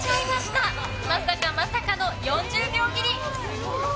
たまさかまさかの４０秒切り。